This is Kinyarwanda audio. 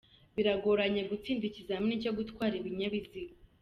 Biragoranye gutsinda ikizamini cyo gutwara ibinyabiziga.